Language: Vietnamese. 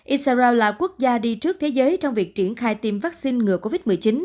isarao là quốc gia đi trước thế giới trong việc triển khai tiêm vaccine ngừa covid một mươi chín